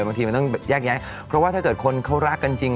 บางทีมันต้องแยกย้ายเพราะว่าถ้าเกิดคนเขารักกันจริง